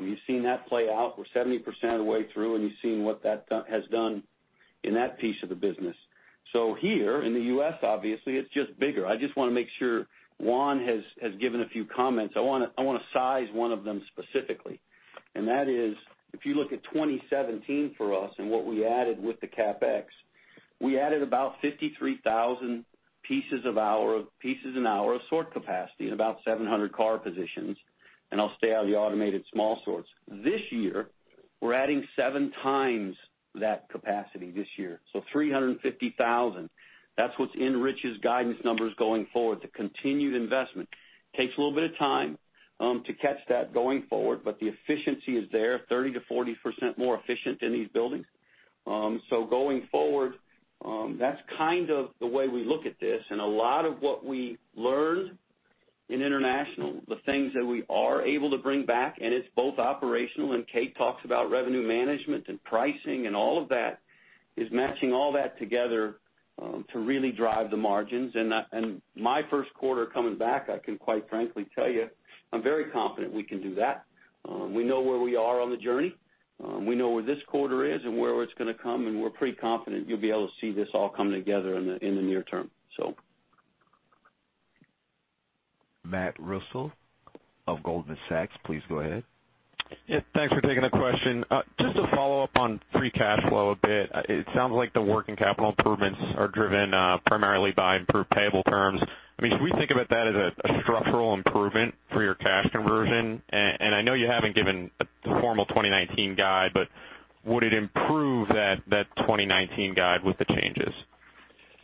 You've seen that play out. We're 70% of the way through. You've seen what that has done in that piece of the business. Here in the U.S., obviously, it's just bigger. I just want to make sure Juan has given a few comments. I want to size one of them specifically. That is if you look at 2017 for us and what we added with the CapEx, we added about 53,000 pieces an hour of sort capacity and about 700 car positions. I'll stay out of the automated small sorts. This year, we're adding seven times that capacity this year. 350,000. That's what enriches guidance numbers going forward, the continued investment. Takes a little bit of time to catch that going forward, the efficiency is there, 30%-40% more efficient in these buildings. Going forward, that's kind of the way we look at this. A lot of what we learned in international, the things that we are able to bring back, it's both operational and Kate talks about revenue management and pricing and all of that, is matching all that together to really drive the margins. My first quarter coming back, I can quite frankly tell you, I'm very confident we can do that. We know where we are on the journey. We know where this quarter is and where it's going to come. We're pretty confident you'll be able to see this all come together in the near term. Matthew Reustle of Goldman Sachs, please go ahead. Yeah, thanks for taking the question. Just to follow up on free cash flow a bit. It sounds like the working capital improvements are driven primarily by improved payable terms. Should we think about that as a structural improvement for your cash conversion? I know you haven't given the formal 2019 guide, would it improve that 2019 guide with the changes?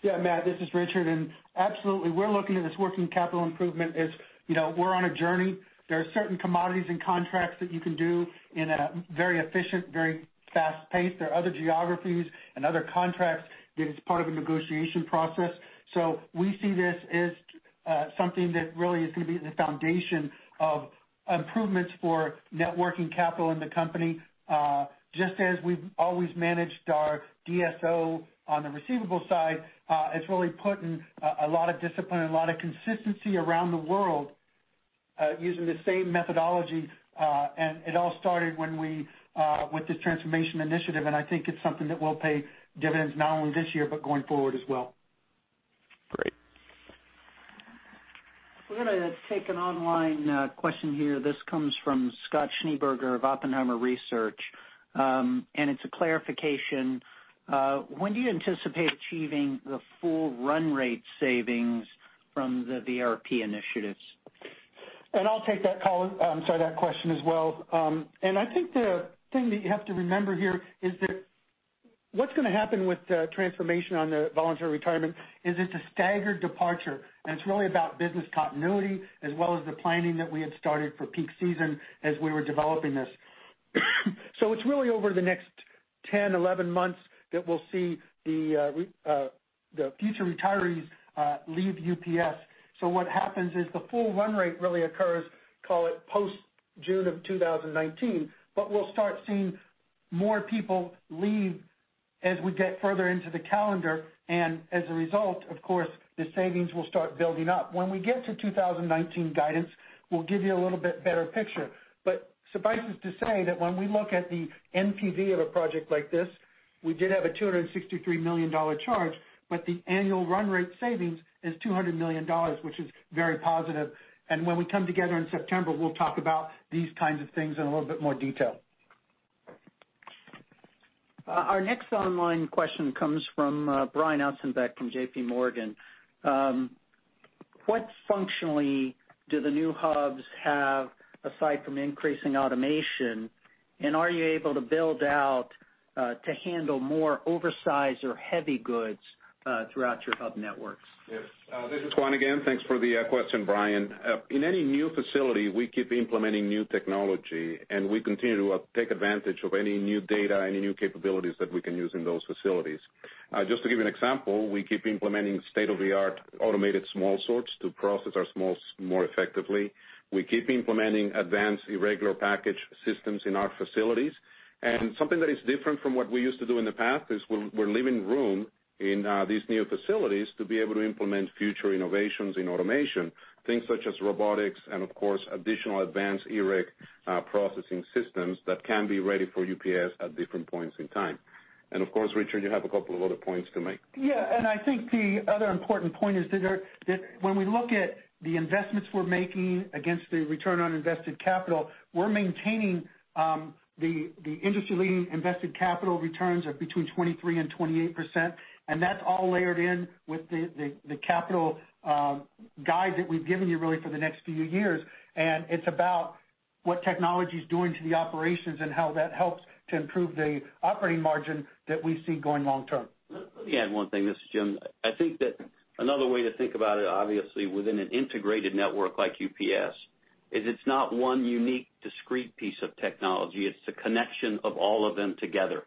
Yeah, Matt, this is Richard. Absolutely, we're looking at this working capital improvement as we're on a journey. There are certain commodities and contracts that you can do in a very efficient, very fast pace. There are other geographies and other contracts that it's part of a negotiation process. We see this as something that really is going to be the foundation of improvements for net working capital in the company. Just as we've always managed our DSO on the receivable side, it's really putting a lot of discipline and a lot of consistency around the world using the same methodology. It all started with this Transformation Initiative, and I think it's something that will pay dividends not only this year, but going forward as well. Great. We're going to take an online question here. This comes from Scott Schneeberger of Oppenheimer Research, and it's a clarification. When do you anticipate achieving the full run rate savings from the VRP initiatives? I'll take that question as well. I think the thing that you have to remember here is that what's going to happen with Transformation on the voluntary retirement is it's a staggered departure, and it's really about business continuity as well as the planning that we had started for peak season as we were developing this. It's really over the next 10, 11 months that we'll see the future retirees leave UPS. What happens is the full run rate really occurs, call it post June of 2019, but we'll start seeing more people leave as we get further into the calendar. As a result, of course, the savings will start building up. When we get to 2019 guidance, we'll give you a little bit better picture. Suffice it to say that when we look at the NPV of a project like this, we did have a $263 million charge, but the annual run rate savings is $200 million, which is very positive. When we come together in September, we'll talk about these kinds of things in a little bit more detail. Our next online question comes from Brian Ossenbeck from J.P. Morgan. What functionally do the new hubs have aside from increasing automation? Are you able to build out to handle more oversized or heavy goods throughout your hub networks? Yes. This is Juan again. Thanks for the question, Brian. In any new facility, we keep implementing new technology, we continue to take advantage of any new data, any new capabilities that we can use in those facilities. Just to give you an example, we keep implementing state-of-the-art automated small sorts to process our smalls more effectively. We keep implementing advanced irregular package systems in our facilities. Something that is different from what we used to do in the past is we're leaving room in these new facilities to be able to implement future innovations in automation, things such as robotics and of course, additional advanced irregular processing systems that can be ready for UPS at different points in time. Of course, Richard, you have a couple of other points to make. Yeah. I think the other important point is that when we look at the investments we're making against the return on invested capital, we're maintaining the industry-leading invested capital returns of between 23%-28%. That's all layered in with the capital guide that we've given you really for the next few years. It's about what technology is doing to the operations and how that helps to improve the operating margin that we see going long term. Let me add one thing. This is Jim. I think that another way to think about it, obviously, within an integrated network like UPS, is it's not one unique, discrete piece of technology. It's the connection of all of them together.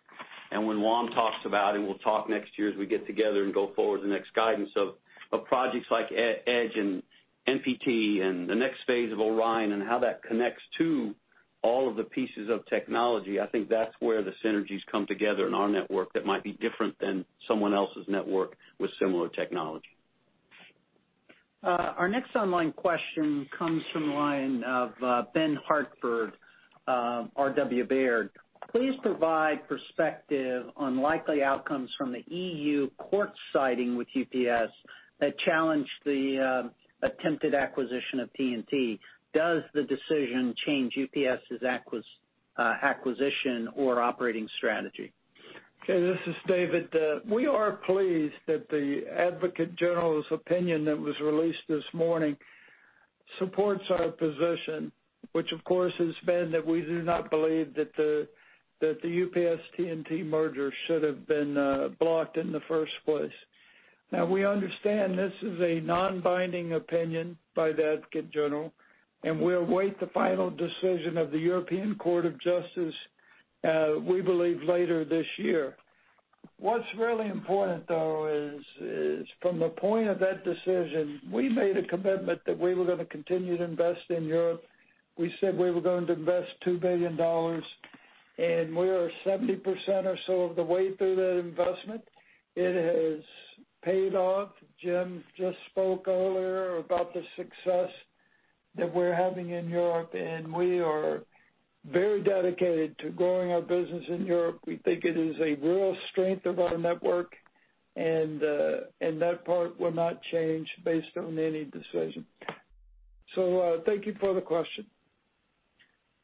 When Juan talks about, we'll talk next year as we get together and go forward to the next guidance of projects like EDGE, NPT, the next phase of ORION, how that connects to all of the pieces of technology, I think that's where the synergies come together in our network that might be different than someone else's network with similar technology. Our next online question comes from the line of Ben Hartford, Robert W. Baird. Please provide perspective on likely outcomes from the EU Court siding with UPS that challenged the attempted acquisition of TNT. Does the decision change UPS's acquisition or operating strategy? Okay, this is David. We are pleased that the Advocate General's opinion that was released this morning supports our position, which of course, has been that we do not believe that the UPS-TNT merger should have been blocked in the first place. We understand this is a non-binding opinion by the Advocate General, and we await the final decision of the European Court of Justice, we believe, later this year. What's really important, though, is from the point of that decision, we made a commitment that we were going to continue to invest in Europe. We said we were going to invest $2 billion, and we are 70% or so of the way through that investment. It has paid off. Jim just spoke earlier about the success that we're having in Europe, and we are very dedicated to growing our business in Europe. We think it is a real strength of our network, and that part will not change based on any decision. Thank you for the question.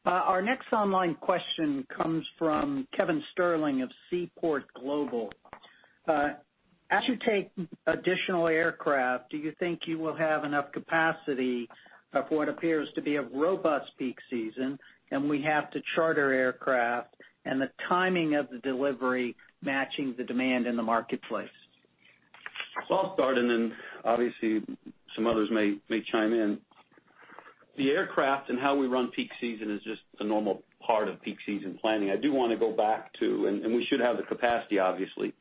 Our next online question comes from Kevin Sterling of Seaport Global. As you take additional aircraft, do you think you will have enough capacity for what appears to be a robust peak season, and will you have to charter aircraft, and the timing of the delivery matching the demand in the marketplace? I'll start. Obviously, some others may chime in. The aircraft and how we run peak season is just a normal part of peak season planning. I do want to go back to. We should have the capacity, obviously,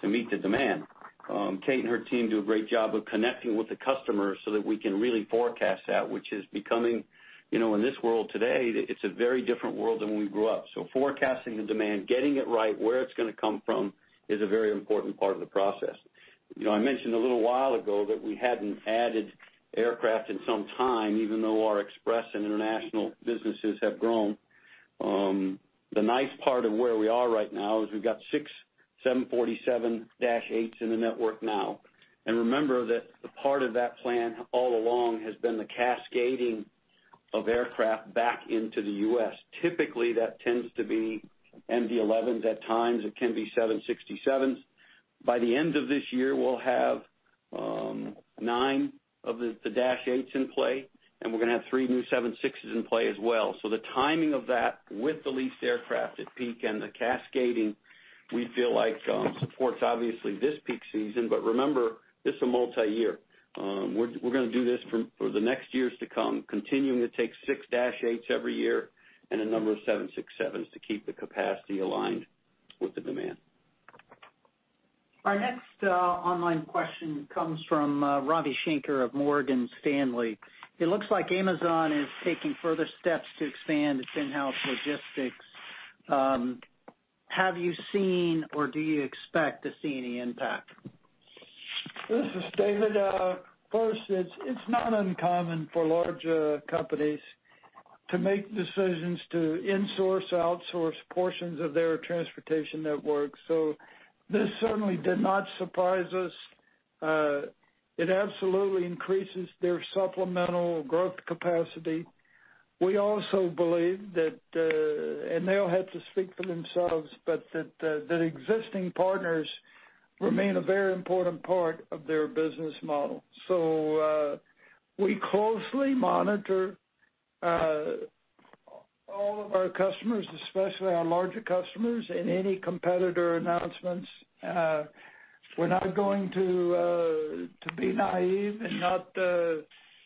to meet the demand. Kate and her team do a great job of connecting with the customer so that we can really forecast that, which is becoming, in this world today, it's a very different world than when we grew up. Forecasting the demand, getting it right, where it's going to come from, is a very important part of the process. I mentioned a little while ago that we hadn't added aircraft in some time, even though our express and international businesses have grown. The nice part of where we are right now is we've got 6 747-8 in the network now. Remember that a part of that plan all along has been the cascading of aircraft back into the U.S. Typically, that tends to be MD-11. At times, it can be 767. By the end of this year, we'll have 9 of the Dash 8 in play, and we're going to have 3 new 767s in play as well. The timing of that with the leased aircraft at peak and the cascading We feel like supports obviously this peak season. Remember, this is a multiyear. We're going to do this for the next years to come, continuing to take 6 Dash 8s every year and a number of 767 to keep the capacity aligned with the demand. Our next online question comes from Ravi Shanker of Morgan Stanley. It looks like Amazon is taking further steps to expand its in-house logistics. Have you seen or do you expect to see any impact? This is David. First, it's not uncommon for large companies to make decisions to insource, outsource portions of their transportation network. This certainly did not surprise us. It absolutely increases their supplemental growth capacity. We also believe that, and they'll have to speak for themselves, but that existing partners remain a very important part of their business model. We closely monitor all of our customers, especially our larger customers, and any competitor announcements. We're not going to be naive and not,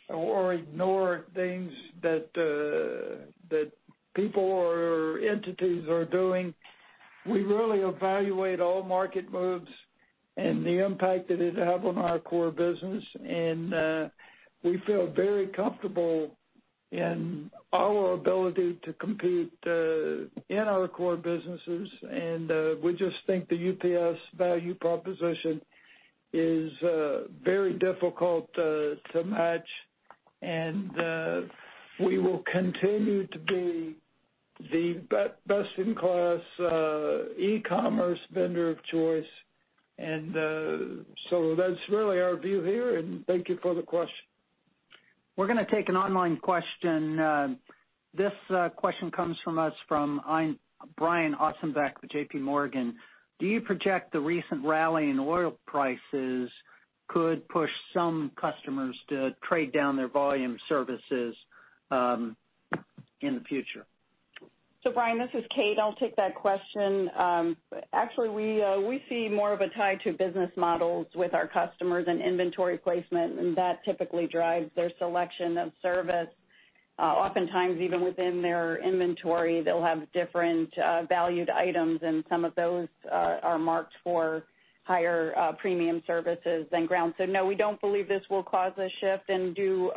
or ignore things that people or entities are doing. We really evaluate all market moves and the impact that it has on our core business, and we feel very comfortable in our ability to compete in our core businesses. We just think the UPS value proposition is very difficult to match, and we will continue to be the best in class e-commerce vendor of choice. That's really our view here, and thank you for the question. We're going to take an online question. This question comes from us from Brian Ossenbeck with J.P. Morgan. Do you project the recent rally in oil prices could push some customers to trade down their volume services in the future? Brian, this is Kate. I'll take that question. Actually, we see more of a tie to business models with our customers and inventory placement, that typically drives their selection of service. Oftentimes, even within their inventory, they'll have different valued items, and some of those are marked for higher premium services than ground. No, we don't believe this will cause a shift and do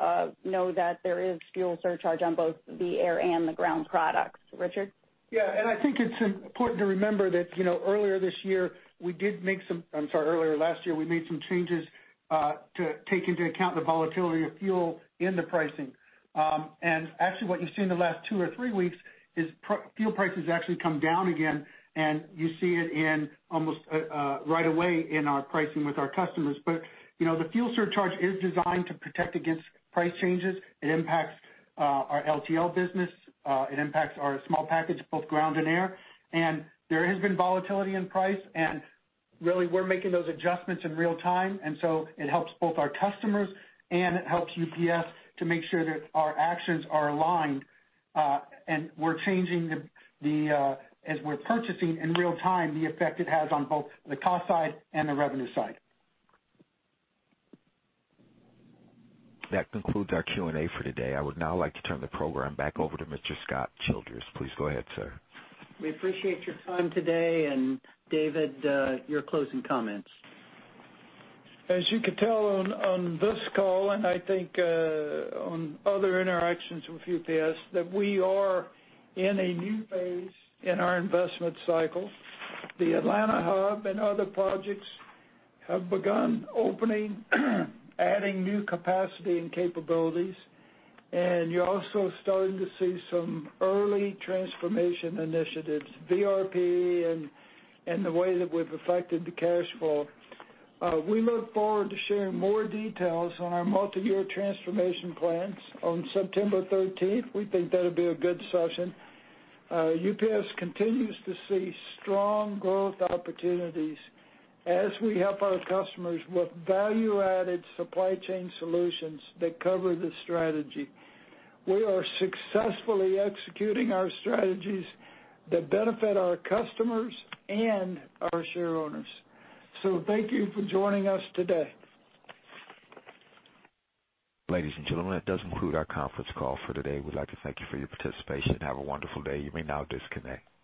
know that there is fuel surcharge on both the air and the ground products. Richard? Yeah. I think it's important to remember that earlier this year we did make, I'm sorry, earlier last year, we made some changes, to take into account the volatility of fuel in the pricing. Actually, what you've seen in the last two or three weeks is fuel prices actually come down again. You see it in almost right away in our pricing with our customers. The fuel surcharge is designed to protect against price changes. It impacts our LTL business. It impacts our small package, both ground and air. There has been volatility in price. Really we're making those adjustments in real time. It helps both our customers. It helps UPS to make sure that our actions are aligned. We're changing as we're purchasing in real time, the effect it has on both the cost side and the revenue side. That concludes our Q&A for today. I would now like to turn the program back over to Mr. Scott Childress. Please go ahead, sir. We appreciate your time today. David, your closing comments. As you could tell on this call, and I think on other interactions with UPS, that we are in a new phase in our investment cycle. The Atlanta hub and other projects have begun opening, adding new capacity and capabilities, and you're also starting to see some early transformation initiatives, VRP and the way that we've affected the cash flow. We look forward to sharing more details on our multi-year transformation plans on September 13th. We think that'll be a good session. UPS continues to see strong growth opportunities as we help our customers with value-added supply chain solutions that cover the strategy. We are successfully executing our strategies that benefit our customers and our share owners. Thank you for joining us today. Ladies and gentlemen, that does conclude our conference call for today. We'd like to thank you for your participation. Have a wonderful day. You may now disconnect.